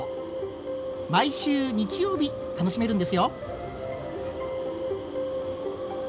毎週日曜日楽しめるんですよ。